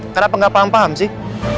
kenapa nggak paham paham sih